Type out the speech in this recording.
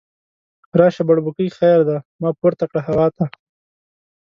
راشه بړبوکۍ خیر دی، ما پورته کړه هوا ته